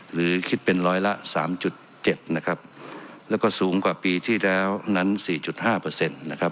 หรือคิดเป็นร้อยละสามจุดเจ็ดนะครับแล้วก็สูงกว่าปีที่แล้วนั้นสี่จุดห้าเปอร์เซ็นต์นะครับ